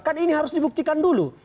kan ini harus dibuktikan dulu